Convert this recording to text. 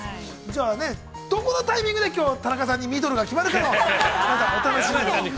じゃあ、どこのタイミングで、田中さんにミドルが決まるかのお楽しみに。